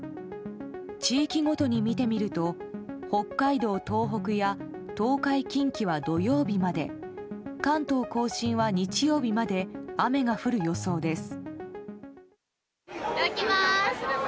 地域ごとに見てみると北海道、東北や東海・近畿は土曜日まで関東・甲信は日曜日まで雨が降る予想です。